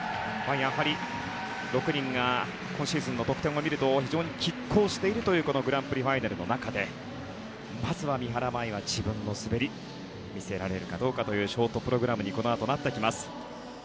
やはり６人の今シーズンの得点を見ると非常に拮抗しているというグランプリファイナルの中でまずは三原舞依は自分の滑りを見せられるかどうかというショートプログラムにこのあとなってきます。